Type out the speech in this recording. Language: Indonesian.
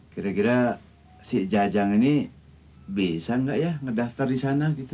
kira kira si jajang ini bisa nggak ya ngedaftar di sana gitu